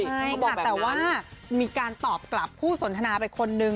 ใช่ค่ะแต่ว่ามีการตอบกลับคู่สนทนาไปคนนึง